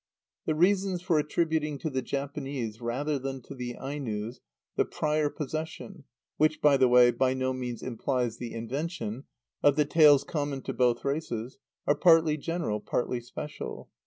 The reasons for attributing to the Japanese, rather than to the Ainos, the prior possession (which, by the way, by no means implies the invention) of the tales common to both races, are partly general, partly special.